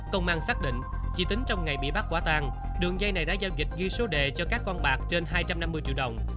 công an xác định chỉ tính trong ngày bị bắt quả tan đường dây này đã giao dịch ghi số đề cho các con bạc trên hai trăm năm mươi triệu đồng